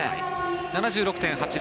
７６．８０。